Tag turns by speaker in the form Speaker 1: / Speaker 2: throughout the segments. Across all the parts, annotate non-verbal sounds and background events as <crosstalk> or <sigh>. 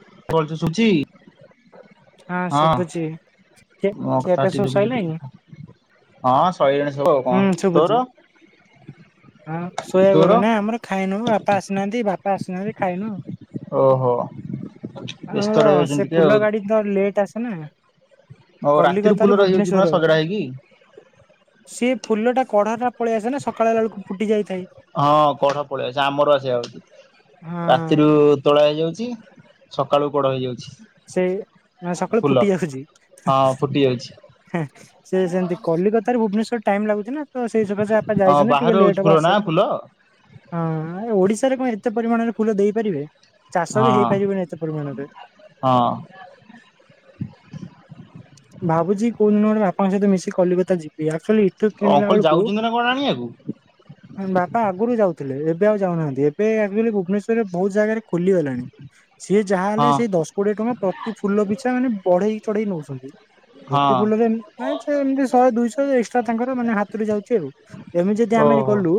Speaker 1: <unintelligible> ସୁୁଚି
Speaker 2: ହୁଁ ଶୁଭୁଛି ଖୀ
Speaker 1: ମୋ କଥା
Speaker 2: ଖିଆପିଆ
Speaker 1: ଟିକେ
Speaker 2: ସବୁ
Speaker 1: ବୁଝ ଟିକେ
Speaker 2: ସଇଲାଣି
Speaker 1: ହଁ ସଇଲାଣି ସବୁ ଆଉ କଣ
Speaker 2: ହୁଁ
Speaker 1: ତୋର?
Speaker 2: ଶୁଭୁଛି ହଁ ଶୋଇବାକୁ
Speaker 1: ତୋର
Speaker 2: ଗଲେଣି ନାଇଁ ଆମର ଖାଇନୁ। ବାପା ଆସିନାହାଁନ୍ତି ବାପା ଆସିନାହାଁନ୍ତି ଖାଇନୁ
Speaker 1: ଓହୋ <unintelligible>
Speaker 2: ଆମର
Speaker 1: ବ୍ୟସ୍ତ
Speaker 2: ସେ
Speaker 1: ରହିଯାଉଛନ୍ତି ଟିକେ
Speaker 2: ଫୁଲ ଗାଡି ତ ଲେଟ୍ ଆସେ ନାଁ
Speaker 1: ଓହ ରାତିରୁ ଫୁଲ ରହିଯାଉଛି ପରା ସଜଡ଼ା ହେଇକି।
Speaker 2: କଢ଼ାଟା ପଳେଇ ଆସେନା ସକାଳ ହେଲା ବେଳକୁ ଫୁଟି ଯାଇଥି
Speaker 1: ହଁ କଢ ପଳେଇଆଚି ସେ ଆମର ସେଇଆ ହଉଛି
Speaker 2: ହଁ
Speaker 1: ରାତିରୁ ତୋଳା ହେଇଯାଉଛି। ସକାଳୁ ବଡ଼ ହେଇଯାଉଛି।
Speaker 2: ସେ ମାନେ ସକାଳୁ
Speaker 1: ଫୁଲ।
Speaker 2: ଫୁଟି ଯାଉଛି
Speaker 1: ହଁ ଫୁଟି ଯାଉଛି
Speaker 2: ସେ ସେମତି କଲି କଥା- <unintelligible> ଭୁବନେଶ୍ୱର ଟାଇମ୍ ଲାଗୁଛି ନାଁ ତ ସେଇ ସଖା ସେ ବାପା
Speaker 1: ହଁ
Speaker 2: ଯାଇଛନ୍ତି ଟିକେ
Speaker 1: ବାହାରୁ ହଉଛି
Speaker 2: ଲେଟ୍
Speaker 1: ଫୁଲ
Speaker 2: ହବ
Speaker 1: ନା
Speaker 2: ଆସିବାକୁ
Speaker 1: ଫୁଲ
Speaker 2: ହଁ ଓଡିଶାରେ କଣ ତ୍ୟ ପରିମାଣର ଫୁଲ ଦେଇପାରିବେ? ଚାଷ ବି
Speaker 1: ହଁ।
Speaker 2: ହେଇପାରିବନି ଏତେ ପରିମାଣରେ।
Speaker 1: ହଁ।
Speaker 2: ଭାବୁଛି କୋଉ ଦିନ ଗୋଟେ ବାପାଙ୍କ ସହିତ ମିଶି କଲିକତା ଯିବି ଆ ଏଠୁ କିଣିଲା
Speaker 1: ଅଙ୍କଲ
Speaker 2: ବେଳକୁ
Speaker 1: ଯାଉଛନ୍ତି ନା କଣ ଆଣିବାକୁ
Speaker 2: ବାପା ଆଗରୁ ଯାଉ ଥିଲେ ଏବେ ଆଉ ଯାଉନାହାନ୍ତି ଏବେ ଆକ୍ଚୁଆଲି ଭୁବନେଶ୍ଵରରେ ବହୁତ ଜାଗାରେ ଖୋଲିଗଲାଣି। ସିଏ ଯାହାହେଲେ
Speaker 1: ହଁ
Speaker 2: ସେଇ ଦଶ କୋଡିଏ ଟଙ୍କା ପ୍ରତି ଫୁଲ ପିଛା ମାନେ ବଢେଇ ଚଢେଇ ନଉଛନ୍ତି।
Speaker 1: ହଁ
Speaker 2: <unintelligible> ଫୁଲରେ ଏମିତି ଶହେ ଦୁଶହ ଏକ୍ସଟ୍ରା ତାଙ୍କର ମାନେ ହାତ ଯାଉଛି ଆଉ। ଏମିତି ଯଦି ଆମେ
Speaker 1: ଓହୋ।
Speaker 2: ଗଲୁ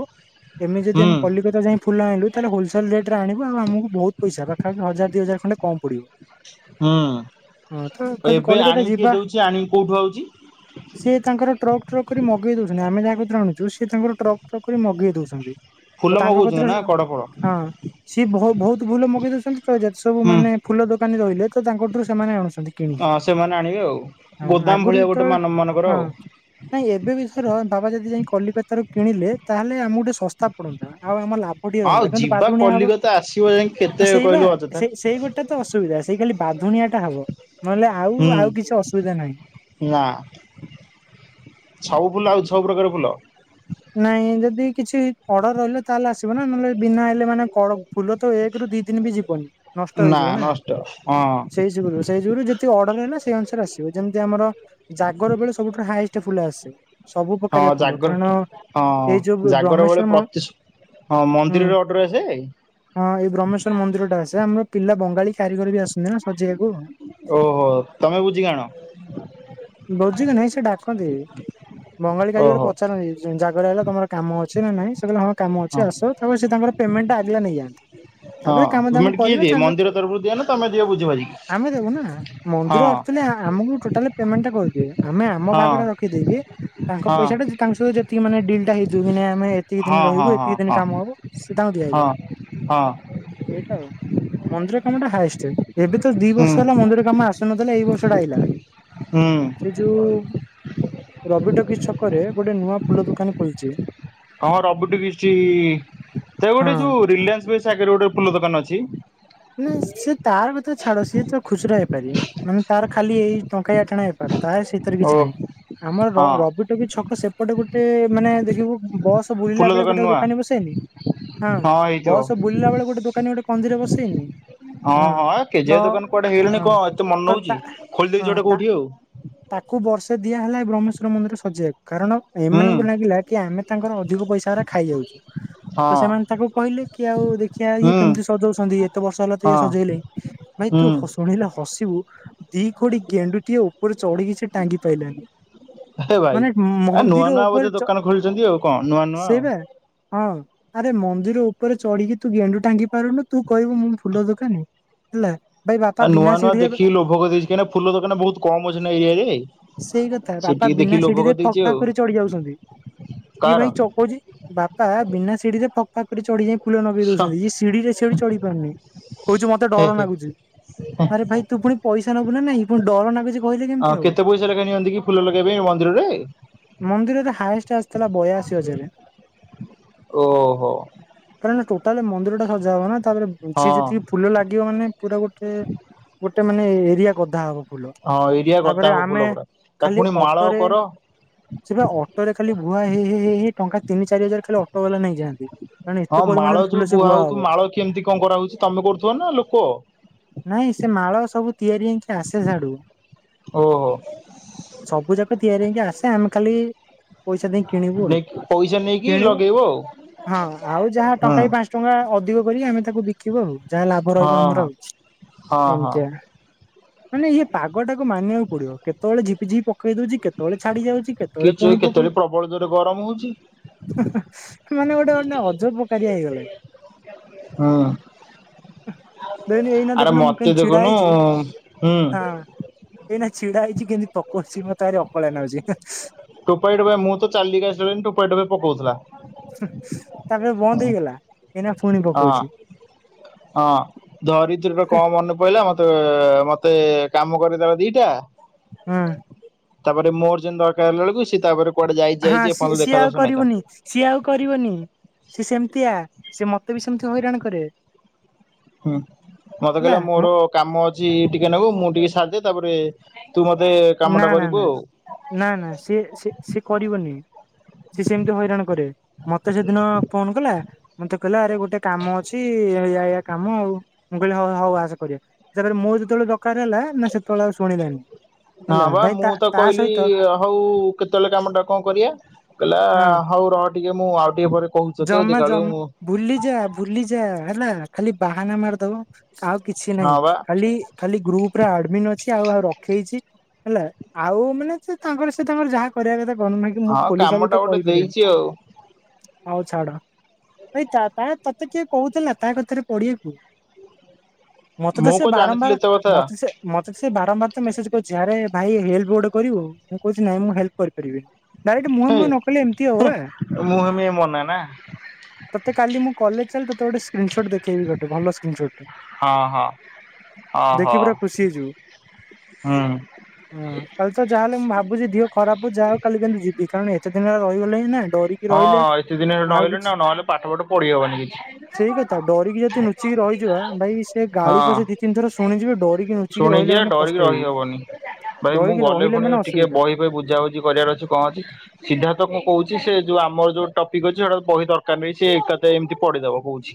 Speaker 2: ଏମିତି ଯଦି
Speaker 1: ହୁଁ
Speaker 2: ଆମେ କଲିକତା ଯାଇ ଫୁଲ ଆଣିଲୁ ତାହେଲେ ହୋଲସେଲ ରେଟରେ ଆଣିବ ଆଉ ମକୁ ବହୁତ ପଇସା ପାଖାପାଖି ହଜାର ଦୁଇ ହଜାର ଖଣ୍ଡେ କମ୍ ପଡ଼ିବ।
Speaker 1: ହୁଁ
Speaker 2: ଯଦି
Speaker 1: ଏବେ
Speaker 2: କଲିକତା
Speaker 1: ଆଣିକି କିଏ
Speaker 2: ଯିବା
Speaker 1: ଦଉଛି। ସେ ଆଣିକି କେଉଠୁ ଆଉଛି?
Speaker 2: ସେ ତାଙ୍କର ଟ୍ରକ୍ ଟ୍ରକ୍ କରି ମଗେଇ ଦଉଛନ୍ତି ଆମେ ଯାହାକୁ ଜଣୁଛୁ ସେ ତାଙ୍କର ଟ୍ରକ୍ ଟ୍ରକ୍ କରି ମଗେଇ ଦଉଛନ୍ତି। ତ
Speaker 1: ଫୁଲ
Speaker 2: ତାଙ୍କ କତି
Speaker 1: ମଗଉଛନ୍ତି
Speaker 2: ରୁ
Speaker 1: ନା କଡ ଫଳ
Speaker 2: ହଁ ସିଏ ବ ବହୁତ ଫୁଲ ମଗେଇ ଦଉଛନ୍ତି। ତ ଯେତେ ସବୁ
Speaker 1: ହୁଁ
Speaker 2: ମାନେ ଫୁଲ ଦୋକାନୀ ରହିଲେ ତ ତାଙ୍କଠୁ ସେମାନେ ଆଣୁଛନ୍ତି କିଣି
Speaker 1: ହଁ ସେମାନେ ଆଣିବେ ଆଉ
Speaker 2: ହଁ
Speaker 1: ଗୋଦାମ
Speaker 2: ଆଗରୁ
Speaker 1: ଭଳିଆ ଗୋଟେ
Speaker 2: ଯେତେବେଳେ
Speaker 1: ମାନ ମାନଙ୍କର
Speaker 2: ହଁ
Speaker 1: ଆଉ
Speaker 2: ନାଇଁ ଏବେ ବିଷର ବାବା ଯଦି ଯାଇ କଲିକତା ରୁ କିଣିଲେ ତାହେଲେ ଆମକୁ ଟିକେ ଶସ୍ତା ପଡନ୍ତା ଆଉ ଆମ ଲାଭ
Speaker 1: ଆଉ
Speaker 2: <unintelligible>
Speaker 1: ଯିବା
Speaker 2: ପାଦୁ ନିଆ ହବ
Speaker 1: କଲିକତା ଆସିବ ଯାଇକି କେତେ
Speaker 2: ସେଇ ବା
Speaker 1: କହିଲୁ ଅଯଥା
Speaker 2: ସେଇ ସେଇ ଗୋଟା ତ ଅସୁବିଧା ସେଇ ଖାଲି ବାଧୁଣିଆ ଟା ହବ। ନହେଲେ ଆଉ
Speaker 1: ହୁଁ
Speaker 2: ଆଉ କିଛି ଅସୁ
Speaker 1: ନା ସବୁ ବୁଲା ହଉଛି ସବୁପ୍ରକାର ଫୁଲ
Speaker 2: ନାଇଁ ଯଦି କିଛି ଅଡର ରହିଲେ ତାହେଲେ ଆସିବ ନା ନହେଲେ ବିନା ହେଲେ ମାନେ କଣ ଫୁଲ ତ ଏକ ରୁ ଦି ଦିନ ବି ଯିବନି ନଷ୍ଟ ହେଇଯିବ ନା
Speaker 1: ନଷ୍ଟ ହଁ
Speaker 2: ସେଇ ଯୋଗୁରୁ ସେଇ ଯୋଗୁରୁ ଯ ଅର୍ଡର ହେଲା ସେଇ ଅନୁସାରେ ଆସିବ ଯେମିତି ଆମର ଜାଗର ବେଳେ ସବୁଠୁ ହାଏଷ୍ଟ ଫୁଲ ଆସେ। ସବୁ
Speaker 1: ହଁ
Speaker 2: ପ୍ରକାରିଆ ଫୁଲ
Speaker 1: ଜାଗର
Speaker 2: କାରଣ
Speaker 1: ହଁ
Speaker 2: ଏଇ ଯୋଉ
Speaker 1: ଜାଗର ବେଳେ
Speaker 2: ବ୍ରହ୍ମେଶ୍ଵର ମ
Speaker 1: ପ୍ରତି ହଁ
Speaker 2: ହୁଁ
Speaker 1: ମନ୍ଦିରର ଅଟୋରେ ଆସେ
Speaker 2: ହଁ ଏଇ ବ୍ରହ୍ମେଶ୍ଵର ମନ୍ଦିର ଟା ଆସେ ଆମର ପିଲା ବଙ୍ଗାଳୀ କାରିଗର ବି ଆସନ୍ତି ନାଁ
Speaker 1: ଓହୋ ତମେ ବୁଝିକି ଆଣ
Speaker 2: ବୋଝିକି ନାଇଁ ସେ ଡାକନ୍ତି ବଙ୍ଗାଳୀ କାରିଗର
Speaker 1: ଓହୋ
Speaker 2: ପଚାରନ୍ତି ଜାଗର ରେ ତମର କାମ ଅଛି ନା ନାଇଁ ହଁ କାମ ଅଛି ଆସ ତାପରେ ସେ ତାଙ୍କର ପେମେଣ୍ଟ ଟା ଆଜି ଆଗେଲା ନେଇଯାନ୍ତି
Speaker 1: ହଁ
Speaker 2: ତାପରେ କାମ ଦାମ
Speaker 1: ପେମେଣ୍ଟ କିଏ
Speaker 2: କରିବେ
Speaker 1: ଦିଏ
Speaker 2: ତାପରେ
Speaker 1: ମନ୍ଦିର ତରଫରୁ ଦିଅ ନା ତମେ ଦିଅ ବୁଝି ବାଝିକି
Speaker 2: ଆମେ ଓନର ନା
Speaker 1: ହଁ
Speaker 2: ମନ୍ଦିର ଆକ୍ଚୁଆଲି ଆମକୁ ଟୋଟାଲି କନ ଟା କହୁଥିବେ। ଆମେ ଆମ
Speaker 1: ହଁ
Speaker 2: ଭାଗ ଟା ରଖିଦେଇକି ତାଙ୍କ
Speaker 1: ହଁ
Speaker 2: ପଇସା ଟା
Speaker 1: ହଁ
Speaker 2: ଯେତି ତାଙ୍କ ସହିତ ଯେତିକି ମାନେ ଡିଲ୍ ଟା ହେଇଥିବ ମାନେ ଆମେ ଏତିକି ଦିନ
Speaker 1: ହଁ
Speaker 2: ରହିବୁ
Speaker 1: ହଁ
Speaker 2: ଏତିକି ଦିନ
Speaker 1: ହଁ
Speaker 2: କାମ ହବ ସେ ତାଙ୍କୁ ଦିଆ
Speaker 1: ହଁ
Speaker 2: ହେଇଯାଏ
Speaker 1: ହଁ
Speaker 2: ଏଇଟା ଆଉ ମନ୍ଦିର। କାମଟା ହାଏଷ୍ଟ। ଏବେ ତ ଦି
Speaker 1: ହୁଁ
Speaker 2: ବର୍ଷ ହେଲା ମନ୍ଦିର କାମ ଆସୁନଥିଲା ଏଇ ବର୍ଷା ଟା ଆଇଲା।
Speaker 1: ହୁଁ
Speaker 2: ସେଯୋଉ। ରବିଟକିଜ୍ ଛକରେ ଗୋଟେ ନୂଆ ଫୁଲ ଦୋକାନୀ ଖୋଲିଛି।
Speaker 1: ହଁ ରବିଟକିଜ୍ ସେ ଗୋଟେ
Speaker 2: ହଁ
Speaker 1: ଯୋଉ ରିଲାଏନ୍ସ ବେସ। ଆାଗରେ ଗୋଟେ ଫୁଲ ଦୋକାନ ଅଛି
Speaker 2: ନା ସେ ତାର କଥା ଛାଡ ସିଏ ତ ଖୁଚୁରା ବେ। ପାରି ମାନେ ତାର ଖାଲି ଏଇ ଟଙ୍କାଏ ଆଠଣା ବେପାର। ତାର ସେଥିରେ
Speaker 1: ଓ
Speaker 2: କିଛି ନାହିଁ ଆମର ର
Speaker 1: ହଁ
Speaker 2: ରବିଟକିଜ୍ ଛକ ସେପଟେ ଗୋଟେ। ସେ ମାନେ ଦେଖିବୁ। ବସ ବୁଲିଲା
Speaker 1: ଫୁଲ
Speaker 2: ବେଳେ
Speaker 1: ଦୋକାନ
Speaker 2: ଗୋଟେ
Speaker 1: ନୂଆ
Speaker 2: ଦୋକାନୀ ବସେନି ହଁ ବସ ବୁଲିଲା ବେଳେ ଗୋଟେ ଦୋକାନୀ ଗୋଟେ। ମନ୍ଦିରେ ବସି। ସେନି।
Speaker 1: ହଁ ହଁ କେଜେଆ ଦୋକାନ କୁଆଡେ ହେଇଗଲେଣି
Speaker 2: ହଁ
Speaker 1: କଣ ଏତେ
Speaker 2: ତ
Speaker 1: ମନେ ରଉଛି
Speaker 2: ତା
Speaker 1: ଖୋଲି ଦେଇଛି
Speaker 2: ହଁ
Speaker 1: ଗୋଟେ
Speaker 2: ତା
Speaker 1: କୋଉଠି ଆଉ।
Speaker 2: ତାକୁ ବର୍ଷେ ଦିଆହେଲା ବ୍ରହ୍ମେଶ୍ବର ମନ୍ଦିର ସଜେଇବାକୁ। କାରଣ
Speaker 1: ହୁଁ
Speaker 2: ଏମାନଙ୍କୁ ଲାଗିଲା କି ଆମେ ତାଙ୍କର ଅଧିକ କାରଣ ଏମାନଂକୁ ଲାଗିଲା କି ଆମେ ତାଙ୍କର ଅଧିକ ପଇସା ଗୁରା ଖାଇଯାଉଛୁ ତ
Speaker 1: ହଁ
Speaker 2: ସେମାନେ ତାଙ୍କୁ କହିଲେ କି ଆଉ ଦେଖିବା ଇଏ
Speaker 1: ହୁଁ
Speaker 2: କେମିତି ସଜଉଛନ୍ତି ଏତେ ବର୍ଷ ହେଲା ତ ଇଏ
Speaker 1: ହଁ
Speaker 2: ସଜେଇଲେ ଭାଇ ତୁ
Speaker 1: ହୁଁ
Speaker 2: ଶୁଣିଲେ ହସିବୁ। ଦି କଡ଼ିି ଗେଣ୍ଡୁଟି ଆଉ। ଚଡ଼ି କିି ସେ ଟାଙ୍ଗି ପାଇଲାନି
Speaker 1: ହେ ଭାଇ
Speaker 2: ମାନେ
Speaker 1: ଆ ନୂଆ
Speaker 2: ମନ୍ଦିର
Speaker 1: ନୂଆ
Speaker 2: ଉପରେ
Speaker 1: ବୋଧେ
Speaker 2: ଚ
Speaker 1: ଦୋକାନ ଖୋଲିଛନ୍ତି ଆଉ କଣ ନୂଆ ନୂଆ
Speaker 2: ସେଇ
Speaker 1: ଆଉ
Speaker 2: ବା ହଁ। ଆରେ ମନ୍ଦିର ଉପରେ ଚଢିକି ତୁ ଗେଣ୍ଡୁ ଟାଙ୍ଗି ପାରୁନୁ ତୁ କହିବୁ ମୁଁ ଫୁଲ ଦୋକାନୀ ହେଲା। ଭାଇ ବାପା
Speaker 1: ଆଉ
Speaker 2: ବିନା
Speaker 1: ନୂଆ ନୂଆ
Speaker 2: ସିଢିରେ
Speaker 1: ଦେଖିକି ଲୋଭ କରିଦେଇଛି କିନା ଫୁଲ ଦୋକାନ ବହୁତ। କମ ଅଛି ନା ଏଇ ଏରିଆରେ।
Speaker 2: ସେଇ କଥା
Speaker 1: ସେ
Speaker 2: ବାପା
Speaker 1: ଟିକେ
Speaker 2: ବିନା
Speaker 1: ଦେଖିକି ଲୋଭ
Speaker 2: ସିଡ଼଼ିରେ ଫକ୍
Speaker 1: କରିଦେଇଛି ଆଉ
Speaker 2: ଫାକ୍ କରି ଚଢ଼ି ଯାଉଛନ୍ତି ଇଏ ଭାଇ
Speaker 1: କାହାର
Speaker 2: ଚକଉଛି ବାପା ବିନା ସିଡ଼ିରେ ଫକ୍। ତା ଉପରେ ଚଢି। ଫୁଲ ନଗେଇ ଦଉଛନ୍ତି ଇଏ ସିଡ଼ି ରେ ସିଡ଼ି ଚଢି ପାରୁନି କହୁଛି ମତେ
Speaker 1: ହେ
Speaker 2: ଡର
Speaker 1: ହେ
Speaker 2: ଲାଗୁଛି ଆରେ ଭାଇ ତୁ ପୁଣି ପଇସା ନବୁ ନା ନାଇଁ ପୁଣି ଡର ଲାଗୁଛି କହିଲେ
Speaker 1: ଅ
Speaker 2: କେମିତି ହବ।
Speaker 1: କେତେ ପଇସା ଫୁଲ ଲଗେଇବେ ମନ୍ଦିରରେ
Speaker 2: ମନ୍ଦିରରେ ହାଏଷ୍ଟ ଆସିଥିଲା ବୟାଅଶୀ ହଜାରେ।
Speaker 1: ଓହୋ।
Speaker 2: ଟୋଟାଲି ମନ୍ଦିରଟା ସଜା ହବନା। ତା ପରେ ବୁଝେ
Speaker 1: ହଁ
Speaker 2: ଯେତିକି ଫୁଲ ଲାଗିବ ମାନେ ପୁରା ଗୋଟେ ଗୋଟେ। ତମେନେ ମାନେ ଏରିଆ ଗଧା ହବ।
Speaker 1: ଓଁ ଏରିଆ ଗଦା। ଫୁଲ
Speaker 2: ମେ
Speaker 1: ପୁରା। ତାକୁ
Speaker 2: ଖାଲି
Speaker 1: ପୁଣି ମାଳ
Speaker 2: ଅଟୋରେ
Speaker 1: କର।
Speaker 2: ସେ, ବା ଅଟୋରେ ଖାଲି ଭୁଆ ହେଇ ହେଇ ଟଙ୍କା। ତିନି ଚାରିହଜାର ଖାଲି ଅଟୋ ବାଲା ନେଁ। କାରଣ ଏତେ
Speaker 1: ହଁ ମାଳ
Speaker 2: ପରିମାଣରେ ଫୁଲ
Speaker 1: ଯୋଉ
Speaker 2: ସେ ବୁହା ହବ
Speaker 1: ହଉଥିବ ମାଳ କେମିତି କଣ କରାହଉଛି ତମେ କରୁଥିବ ନା ଲୋକ?
Speaker 2: <inaudible> ନାଇଁ ସେ ମାଳ ସବୁ ତିଆରି ହେଇକି ଆସେ ସେଆଡୁ
Speaker 1: ଓହୋ
Speaker 2: ସବୁ ଯାକ ତିଆରି ହେଇକି ଆସ ଆମେ ଖାଲି ପଇସା ଦେଇ କିଣିବୁ
Speaker 1: ନେଇକି ପଇସା
Speaker 2: <inaudible>
Speaker 1: ନେଇକି
Speaker 2: କିଣିବୁ
Speaker 1: ଲଗେଇବ ଆଉ
Speaker 2: ହଁ ଆଉ ଯାହା
Speaker 1: ହୁଁ।
Speaker 2: ଟଙ୍କା ବି ପାଞ୍ଚ ଟଙ୍କା ଅଧିକ କରିକି ଆମେ ତାକୁ ବିକିବ ଆଉ। ଯାହା ଲାଭ ରହିବ
Speaker 1: ହଁ
Speaker 2: ଆମର
Speaker 1: ହଁ
Speaker 2: ଆଉ
Speaker 1: ହଁ ହଁ
Speaker 2: ଏମିତିଆ ମାନେ ଇଏ ପାଗଟାକୁ ମାନିବା ପଡିବ କେତବେଳେ ଜି ପକେଇ ଦଉଛି କେତେବେଳେ ଛାଡି ଯାଉଛି। କେତେବେଳେ
Speaker 1: କିଛି
Speaker 2: ପୁଣି
Speaker 1: କେତେବେଳେ
Speaker 2: ପକଉଛି
Speaker 1: ପ୍ରବଳ ଜୋରେ ଗରମ ହଉଛି।
Speaker 2: ହେଁ ହେଁ ମାନେ ଗୋଟେ ଗୋଟେ ଅଜ ପକାରିଆ
Speaker 1: ହୁଁ
Speaker 2: ହେଇଗଲେନି ଏଇନା
Speaker 1: ଆରେ
Speaker 2: ଦେଖୁନୁ ମୁଁ
Speaker 1: ମତେ
Speaker 2: କେମିତି ଛିଡା
Speaker 1: ଦେଖୁନୁ
Speaker 2: ହେଇଛି ହଁ।
Speaker 1: ହୁଁ
Speaker 2: ଛିଡା ହେଇଛି କେମିତି ପକଉଛି ମତେ ବାରି ଅକଳା ନାଗୁଚି ହୁଁ।
Speaker 1: ଟୋପାଏ ଟୋାପାଏ ମୁଁ ତ ଚାଲିକି ଆସିଲେ ଟୋପାଏ ଟୋପାଏ ପକଉଥିଲା।
Speaker 2: ହୁଁ ତାପରେ ବନ୍ଦ ହେଇଗଲା। ଏଇନା ପୁଣି
Speaker 1: ହଁ
Speaker 2: ପକଉଛି
Speaker 1: <inaudible> ହଁ ଧରିତ୍ରୀ କଣ ମନେ ପଇଲା। ତୋଅ ମତେ କାମ କରିଦେବ ଦିଇଟା।
Speaker 2: ହୁଁ।
Speaker 1: ତାପରେ ମୋର ଯେନ୍ ଦରକାର ହେଲା ଳକୁ ସେ ତାପରେ। କୁଆଡେ ଯାଇଛି
Speaker 2: ହଁ
Speaker 1: ଯାଇଛି
Speaker 2: ସିଏ
Speaker 1: ଏପର୍ଯ୍ୟନ୍ତ
Speaker 2: ସିଏ
Speaker 1: ଦେଖା
Speaker 2: ଆଉ
Speaker 1: ଦର୍ଶନ ନାହିଁ ତାର
Speaker 2: କରିବୁନି ସିଏ ଆଉ କରିବୁନି ସିଏ ସେମିତିଆ। ସେମତେ ବି ସେମିତି ହଇରାଣ କରେ।
Speaker 1: ହୁଁ ମତେ
Speaker 2: ହେଲା
Speaker 1: କହିଲେ
Speaker 2: ମ
Speaker 1: ମୋର କାମ ଅଛି ଟିକେ ନାଗ ମୁଁ ଟିକେ ଛାଡ଼ିଦେଇ ତାପରେ ତୁ ମତେ
Speaker 2: ନା
Speaker 1: କାମଟା
Speaker 2: ନା
Speaker 1: କରିବୁ
Speaker 2: ନା
Speaker 1: ଆଉ।
Speaker 2: ନା ନା ସିଏ ସିଏ କରିବନି ସିଏ ସେମିତି ହଇରାଣ କରେ ମତେ ସେଦିନ ଫୋନ କଲା। ମତେ କଲା ଆରେ ଗୋଟ ଗୋଟେ କାମ ଅଛି ହେଇଆ। କାମ ଆଉ ମୁଁ କହିଲି ହଉ ହଉ ଆସ କରିବା ସେପରେ ମୁଁ ଯେତେବେଳେ ଦରକାର ହେଲା ନା ସେତେବେଳେ ଆଉ ଶୁଣିଲାନି।
Speaker 1: ହଁ
Speaker 2: ହେଲା
Speaker 1: ପା
Speaker 2: ଭାଇ
Speaker 1: ମୁଁ
Speaker 2: ତା
Speaker 1: ତ
Speaker 2: ତା
Speaker 1: କହିଲି
Speaker 2: ସହିତ
Speaker 1: ହଉ କେତେବେଳେ କାମ ଟା କଣ କରିବା। କହିଲ
Speaker 2: ହଁ
Speaker 1: ହଉ ର ଟିକେ ମୁଁ ଆଉ ଟିକେ ପରେ। କହୁଛି ତତେ ଆଉ
Speaker 2: ଜମା
Speaker 1: ଦେଖିଲା ବେଳକୁ
Speaker 2: ଜମା
Speaker 1: ମୁଁ
Speaker 2: ଭୁଲି ଯା ଭୁଲିଯା ହେଲା। ଖାଲି ବାହାନା ମାରିଦବ। ଆଉ କିଛି ନାହିଁ
Speaker 1: ହଁ ବା
Speaker 2: ଖାଲି ଖାଲି ଗ୍ରୁପ ପୁରା ଆଡମି ଅଛି ଆଉ ଆଉ ରଖେଇଛି ହେଲା ଆଉ ମାନେ ସେ ତାଙ୍କର ସେ ତାଙ୍କର ଯାହା କରିବା କଥା କରନ୍ତୁ ନାକି ମୁଁ
Speaker 1: ହଁ
Speaker 2: ଖୋଲି ଖାଲି
Speaker 1: କାମ ଟା ଗୋଟେ ଦେଇଛି ଆଉ।
Speaker 2: ଆଉ ଛାଡ ଏଇ ତା ତତେ କିଏ କହୁଥିଲା ତା କଥାରେ ପଢିବାକୁ। ମତେ ତ
Speaker 1: ମୁଁ
Speaker 2: ସେ
Speaker 1: କଣ ଜାଣିଥିଲି
Speaker 2: ବାରମ୍ବାର
Speaker 1: ଏତେ କଥା।
Speaker 2: ମତେ ସେ ମତେ ସେ ବାରମ୍ବାର ତ ମେସେଜ କରିଛି ଯାାରେ ଭାଇ ହେଲ୍ପ ଗୋଟେ କରିବୁ ମୁଁ କହୁଛି ନାଇଁ ମୁଁ ହେଲ୍ପ କରିପାରିବିନି। ଡାଇରେକ୍ଟ ମୁହେଁ
Speaker 1: ହେ
Speaker 2: ମୁହଁ ନ କଲେ ଏମିତି ହୁଏ।
Speaker 1: ମୁଁ ହେମି ମନା ନା।
Speaker 2: ତତେ କାଲି ମୁଁ କଲେଜ ଚାଲ ତତେ ଗୋଟେ ସ୍କ୍ରିନ ସଟ୍ ଦେଖେଇବି ଗୋଟେ ଭଲ ସ୍କ୍ରନଷ୍ଟ ଟେ
Speaker 1: ହଁ ହଁ ଓହୋ
Speaker 2: ଦେଖିକିପୁରା ଖୁସି ହେଇଯିବୁ
Speaker 1: ହୁଁ
Speaker 2: ହୁ କାଲି ତ ଯାହାହଲେ ମୁଁ ଭାବ। ବୁିଅ। ଖରାପୁ ଯାହାଉ କାଲି କିନ୍ତୁ ଯିବି କଣ ଏାତେ ଦିନରେ ରହିଗଲେ ହି ନାଇଁ। ଡରିକି ରହିଲେ।
Speaker 1: କିଛି ଦିନ ନହଲେଣି ଆଉ ନହେଲେ ପାଠ ପାଠ ପଢି ହବନି କିଛି
Speaker 2: ସେଇ କଥା ଡରିକି ଯଦି ନୁଚିକି ରହିଯିବା ଭାଇ ସେ ଗାଳି
Speaker 1: ହଁ
Speaker 2: ପଛେ ଦି ତିନି ଥର ଶୁଣିଯିବେ ଡରିକି ନୁଚିକି ରହିଲେ
Speaker 1: ଶୁଣିିକି
Speaker 2: ମାନେ
Speaker 1: ଡରିକି
Speaker 2: ପସ୍ତେଇବେ
Speaker 1: ରହିହବନି ଭାଇ ମୁଁ
Speaker 2: ଡରିକି
Speaker 1: ଗଲେ
Speaker 2: ରହିଲେ
Speaker 1: ପୁଣି
Speaker 2: ମାନେ
Speaker 1: ଟିକେ
Speaker 2: ଅସୁବିଧା
Speaker 1: ବହି ବହି ବୁଝାବୁଝି କରିବାର ଅଛି କଣ ଅଛି ସିଧାଥ ମୁଁ କହୁଛି। ସେ ସେ। ଯୋଉ ଆମର ଯୋଉ ଟପିକ୍ ଅଛି ସେଇଟା ବହି ଦରକାର ନାହି ସେ ଏକାଥ ଏମିତି ପଢିଦବ କହୁଛି।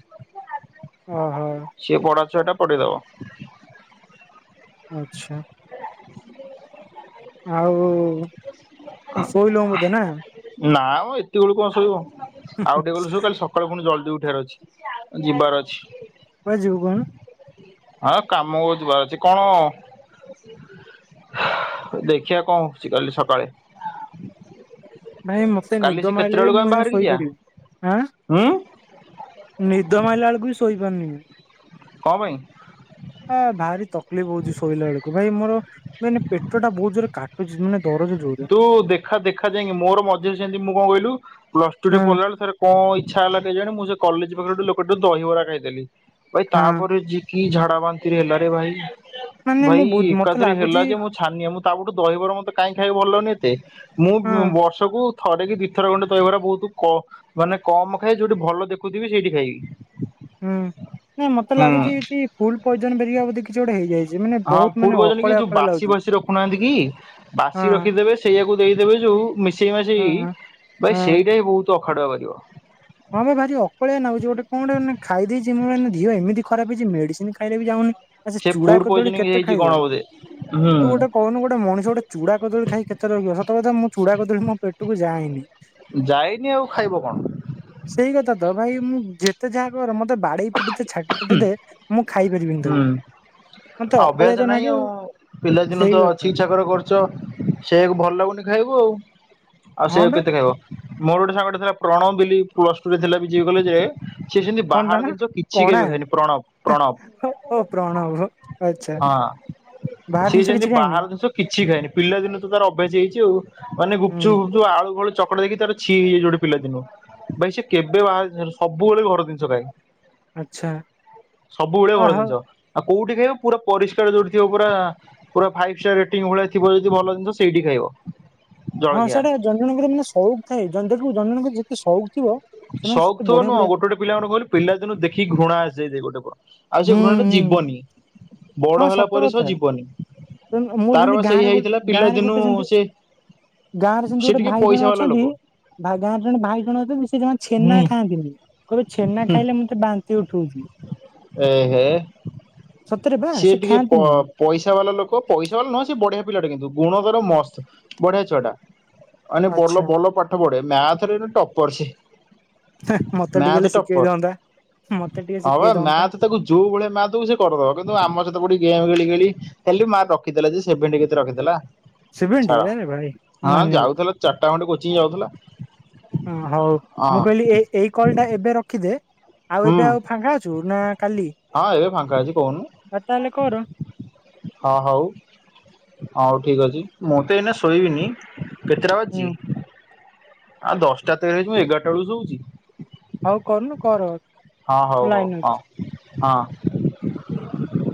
Speaker 2: ଓହୋ
Speaker 1: ସିଏ ପଢା ଛୁଆ ଟା ପଢିଦବ। <inaudible>
Speaker 2: ଆଚ୍ଛା।
Speaker 1: <inaudible>
Speaker 2: ଆଉ ଉ ଉ ଉ ସୋଇଲୋ ମୋଧେ ନା
Speaker 1: ହଁ ଏତେ ବେଳୁ କଣ ଶୋଇବ? ଆଉ ଟିକେ ଗଲୁ ସବୁ କାଲି ସକାଳୁ ପୁଣି ଜଲ୍ ଉଠିବାର ଅଛି ଯିବାର ଅଛି
Speaker 2: କୁଆଡେ ଯିବୁ କୋହୁନୁ?
Speaker 1: ହଁ କାମ ହ ଯିବାର ଅଛି କଣ ଦେଖିବା କଣ ହଉଛି କାଲି ସକାଳେ
Speaker 2: ଭାଇ ମତେ
Speaker 1: କାଲି
Speaker 2: ନିଦ
Speaker 1: ସେ କେତେଟା
Speaker 2: ମାଇଲେ ବି
Speaker 1: ବେଳକୁ
Speaker 2: ମୁଁ
Speaker 1: ଆମେ
Speaker 2: ଯାଇଁ
Speaker 1: ବାହାରିକି
Speaker 2: ସୋଇ
Speaker 1: ଯିବା?
Speaker 2: ପାରି ମି଼ ଆଁ
Speaker 1: ହୁଁ।
Speaker 2: ନିଦ ମାଇ ଲା ବେଳକୁ ବି ଶୋଇ ବି କାନି ବି
Speaker 1: କମାଇ
Speaker 2: ହଁ ଭାରି ତକ୍ ଲିପ୍ ହୋଉ ଚି ଶୋଇଲା ବେଳକୁ ଭାଇ ମୋର ମେନେ ପେଟ ଟା କାଟୁଚି।
Speaker 1: କିନ୍ତୁ ଦେଖା ଦେଖା ଯାଇଁକି ମୋର ମଝିରେ ଯେମିତି ମୋ କଣ କହିଲୁ ପ୍ଲସ ଟୁ
Speaker 2: ହଁ
Speaker 1: ପଢ଼ିଲା ବେଳେ ତାର କଣ ଇଛା ହେଲା କେଜାଣି ମୁଁ ସେ କଲେଜ ପାଖରୁ ଗୋଟେ ଲୋକଠୁ ଦହିବରା ଖାଇଥିଲି। ଭାଇ
Speaker 2: ହଁ
Speaker 1: ତାପରେ ଜି କି ଝାଡ଼ା ବାନ୍ତି ହେଲା ରେ ଭାଈ।
Speaker 2: ମାନେ
Speaker 1: ଭାଇ
Speaker 2: ମୁଁ ବୁ ମତେ
Speaker 1: ଏକାଥରେ ହେଲା
Speaker 2: ଲାଗୁଛି
Speaker 1: ଯେ ମୁଁ ଛାନିଆ ମୁଁ ତା ପରଠୁ ଦହିବରା ମତେ କାଇଁ ଭଲନି ତେ ମୁଁ
Speaker 2: ହଁ
Speaker 1: ବୁଁ ବର୍ଷା କୁ ଥରେ କି ଦି ଥର ଖଣ୍ଡେ ଦହିବରା ବହୁତ୍ କ ମାନେ କମ୍ ଖାଏ ଯୋଉଠି ଭଲ ଦେଖୁଥିବି ସେଇଠି ଖାଇବି।
Speaker 2: ହୁଁ ହୁଁ ମତେ ଲାଗୁଚି ଏଇଠି ଫୁଲ୍ ପଏଜନ୍ ବେରିଆ ବୋଧେ କିଛି ଗୋଟେ ହେଇଜାଇଛି।
Speaker 1: ହଁ ଫୁଡ୍ ପଏଜନ କି ଯୋଉ ବାସୀ ବାସୀ ରଖୁନାହାନ୍ତି କି
Speaker 2: ହଁ
Speaker 1: ବାସୀ ରଖିଦେବେ ସେଇଆକୁ ଦେଇ ଦେବେ ଯୋଉ ମିସ୍ <unintelligible> ସେଇ
Speaker 2: ହଁ
Speaker 1: ଭାଇ
Speaker 2: ହଁ।
Speaker 1: ସେଇଟା ବି ବହୁତ୍ ତୁ ଅଖାଡୁଆ ବାହାରିବ
Speaker 2: ହଁ ମ ଭାରି ଅକଳିଆ ଲାଗୁଛି ଗୋଟେ କଣ ଟେ ମାନେ ଖାଇଦେଇଛି ମୁଁ ମାନେ ଦିହ ଏମିତି ଖରାପ୍ ହେଇଚି ମେଡ଼ିସିନ୍ ଖାଇଲେ ବି ଯାଉନି। ଆ ସେ ଚୂଡା
Speaker 1: ଫୁଡ୍
Speaker 2: କଦଳୀ
Speaker 1: ପଏଜନିଂ
Speaker 2: କେତେ
Speaker 1: ହେଇଛି କଣ
Speaker 2: ଖାଇବ?
Speaker 1: ବୋଧେ। ହୁଁ
Speaker 2: ତୁ ଗୋଟେ କହୁନୁ ଗୋଟେ ମଣିଷ ଗୋଟେ ଚୂଡ଼ା କଦଳୀ ଖାଇକି କେତେ ରହିବ। ସତକଥା ମୁଁ ଚୁଡ଼ା କଦଳୀ ମୋ ପେଟକୁ ଯାଏନି।
Speaker 1: ଯାଇନି ଆଉ ଖାଇବ କଣ
Speaker 2: ସେଇ କଥା ତ ଭାଇ ମୁଁ ଯେତେ ଯାହା କର ମ ଖାଇପାରିବିନି
Speaker 1: ହୁଁ
Speaker 2: ତାକୁ ମତେ ଅକଳିଆ ତ
Speaker 1: ଅଭ୍ୟାସ ନାହିଁ
Speaker 2: ନାଗେ
Speaker 1: ଆଉ। ପିଲା ଦିନୁ
Speaker 2: ସେଇ
Speaker 1: ତ
Speaker 2: କଥା
Speaker 1: ଛି ଛାକର କରୁଚ ସେଇଆକୁ ଭଲ ଲାଗୁନି। ଖାଇବୁ ଆଉ ଆଉ ସେ
Speaker 2: ହଁ ବା
Speaker 1: କେତେ ଖାଇବ? ମୋର ଗୋଟେ ସାଙ୍ଗ ଟେ ଥିଲା ପ୍ରଣବ ବିଲି ପ୍ଲସ୍ ଟୁ ରେ ଥିଲା ବିଜେବି କଲେଜ୍ ରେ ସେ ଯେମିତି
Speaker 2: କଣ ତା
Speaker 1: ବାହାର
Speaker 2: ନା
Speaker 1: ଜିନ୍ କିଛି
Speaker 2: କଣା
Speaker 1: କେବେ ଖାଏନି ପ୍ରଣବ ପ୍ରଣବ।
Speaker 2: ଓ ପ୍ରଣ ଆଚ୍ଛା
Speaker 1: ହଁ
Speaker 2: ବାହାର
Speaker 1: ସେ
Speaker 2: ଜିନିଷ
Speaker 1: କିନ୍ତୁ
Speaker 2: କିଛି ଖାଇନି
Speaker 1: ବାହାର ଜିନିଷ କିଛି ଖାଏନି। ପିଲାଦିନୁ ଠୁ ତାର ଅଭ୍ୟାସ ହେଇଯାଇଛି ଆଉ ମାନେ ଗୁପଚୁପ
Speaker 2: ହୁଁ
Speaker 1: ଫୁପଚୁପ୍ ଆ ଆଉ ଆଳୁ କୁ ଚକଟି ଦେଖିକି ତାର ଛି ହେଇଯାଇଛି ଗୋଟେ ପିଲାଦିନୁ ଭାଈ ସେ କେବେ ବାହାର ଜିନିଷ ସବୁବେଳେ ଘର ଜିନିଷ ଖାଏ।
Speaker 2: ଆଚ୍ଛା
Speaker 1: ସବୁବେଳେ
Speaker 2: ଅ
Speaker 1: ବଡ଼
Speaker 2: ହଉ
Speaker 1: ଜିନିଷ କୋଉଠି ଖାଇବ ପୁରା ପରିଷ୍କାର ଯୋଉଠି ଥିବ ପୁରା ପୁରା ଫାଇପଷ୍ଟର ଇଟିଂ ଭଳିଆ ଥିବ ଯଦି ଭଲ ଜିନିଷ ସେଇଠି ଖାଇବ।
Speaker 2: ହଁ
Speaker 1: ଜଳଖିଆ।
Speaker 2: ସେଇଟା ଜନ ଜଣଙ୍କର ମାନେ ସଉକ ଥାଏ। <unintelligible> ଯେତେ ଶଉକଥିବ।
Speaker 1: ସଉକ୍ ଥିବ ନୁହଁ ଗୋଟେ ଗୋଟେ ପିଲାମାନଙ୍କୁ କହିଲି ପିଲାଦିନୁ ଦେଖିକି ଘୃଣା ଆସିଯାଇ ଗୋଟେ ପ ଆଉ ସେ
Speaker 2: ହୁଁ
Speaker 1: ଘୃଣାଟା
Speaker 2: ହୁଁ
Speaker 1: ଯିବନି ବଡ
Speaker 2: ହଁ
Speaker 1: ହେଲା
Speaker 2: ସତ
Speaker 1: ପରେ ସହ
Speaker 2: କଥା
Speaker 1: ଯିବନି।
Speaker 2: ମୋର
Speaker 1: ତାର
Speaker 2: ସେମତି
Speaker 1: ବା ସେଇ
Speaker 2: ଗାଁରେ
Speaker 1: ହେଇଥିଲା
Speaker 2: ଗାଁ ରେ
Speaker 1: ପିଲାଦିନୁ
Speaker 2: ଗୋଟେ ସେମତି
Speaker 1: ସେ
Speaker 2: ଗାଁ ରେ ସେମତି
Speaker 1: ସେ
Speaker 2: ଗୋଟେ
Speaker 1: ଟିକେ
Speaker 2: ଭାଇ ଜଣ
Speaker 1: ପଇସା ବାଲା
Speaker 2: ଅଛନ୍ତି
Speaker 1: ଲୋକ।
Speaker 2: ଗାଁ ରେ ଜଣେ ଭାଇ ଜଣ ଅଛନ୍ତି ସେ ଛେନା
Speaker 1: ହୁଁ
Speaker 2: ଖାଆନ୍ତିନି କହିବେ ଛେନା
Speaker 1: ହୁଁ
Speaker 2: ଖାଇଲେ ମତେ ବାନ୍ତି ଉଠଉଛି।
Speaker 1: ଏ ହେ।
Speaker 2: ସତରେ ବା
Speaker 1: ସିଏ
Speaker 2: ସେ
Speaker 1: ଟିକେ ପ
Speaker 2: ଖାଆନ୍ତିନି।
Speaker 1: ପଇସା ବାଲା ଲୋକ ପଇସା ବାଲା ନୁହଁ ସେ ବଢିଆ ପିଲାଟେ କିନ୍ତୁ ଗୁଣକର ମସ୍ତ ବଢିଆ ଛୁଆଟା। ମାନେ ବଲ
Speaker 2: ଆଚ୍ଛା
Speaker 1: ଭଲ ପାଠ ପଢେ। ମ୍ୟାଥରେ ଟପର୍ ସେ
Speaker 2: ହେଁ ମତେ ଟିକେ
Speaker 1: ମ୍ୟାଥ
Speaker 2: ହେଲେ ଶିଖେଇ ଦଅନ୍ତା
Speaker 1: ଟପର
Speaker 2: ମତେ ଟିକେ
Speaker 1: ହଁ ବା
Speaker 2: ଶିଖେଇ ଦଅନ୍ତା।
Speaker 1: ମ୍ୟାଥ ତାକୁ ଯୋଉ ଭଳିଆ ମ୍ୟାଥ ଦବୁ ସେ କରିଦବ। କିନ୍ତୁ ଆମ ସହିତ ପଡି ଗେମ୍ ଖେଳି ଖେଳି <unintelligible> ମାର୍କ ରଖିଥିଲା ଯେ ସେଭେନ ଟି କେତେ ରଖିଥିଲା।
Speaker 2: ସିଭିଲଟି
Speaker 1: ଛାଡ।
Speaker 2: ଆରେ ଭାଇ
Speaker 1: ହଁ
Speaker 2: ମାନିଆ
Speaker 1: ଯାଉଥିଲା ଚାରିଟା ଖଣ୍ଡେ କୋଚିଂ ଯାଉଥିଲା।
Speaker 2: ହୁଁ ହଉ।
Speaker 1: ହଁ
Speaker 2: ମୁଁ କହିଲି ଏ ଏଇ କଲ ଟା ଏବେ ରଖିଦେ ଆଉ
Speaker 1: ହୁଁ
Speaker 2: ଏବେ ଆଉ ଫାଙ୍କା ଅଛୁ ନା କାଲି?
Speaker 1: ହଁ ଏବେ ଫାଙ୍କା ଅଛି କହୁନୁ
Speaker 2: ଆଉ ତାହେଲେ କର,
Speaker 1: ହଁ ହଉ ହଉ। ଠିକ୍ ଅଛି ମୁଁତେ ଏଇନା ଶୋଇବିନି କେତେଟା
Speaker 2: ହୁଁ,
Speaker 1: ବାଜିଚି। ଆ ଦଶଟା ତେର ମୁଁ ଏଗାରଟା ବେଳକୁ ଶୋଉଚି।
Speaker 2: ହଉ କରୁନୁ କର।
Speaker 1: ହଁ ହଉ
Speaker 2: ମୁଁ
Speaker 1: ହଉ
Speaker 2: ଲାଇନରେ ଅଛି।
Speaker 1: ହଁ। ହଁ,